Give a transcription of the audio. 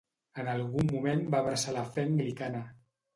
En algun moment va abraçar la fe anglicana.